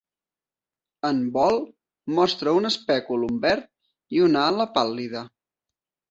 En vol, Mostra un espèculum verd i una ala pàl·lida.